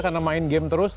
karena main game terus